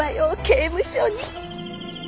刑務所に！